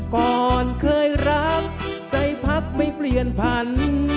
ก่อนเคยรักใจพักไม่เปลี่ยนพัน